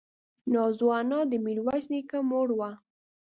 نازو انا د ميرويس نيکه مور وه.